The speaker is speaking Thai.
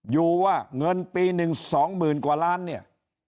อยู่ว่าเงินปีหนึ่งสองหมื่นกว่าล้านเนี่ย